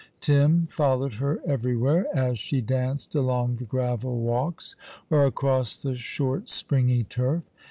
Tim followed her everywhere as she danced along the gravel walks, or across the short springy turf.